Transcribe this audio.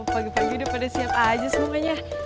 pagi pagi udah pada siap aja semuanya